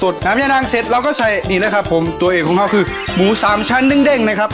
น้ำยานางเสร็จเราก็ใส่นี่นะครับผมตัวเอกของเขาคือหมูสามชั้นเด้งนะครับ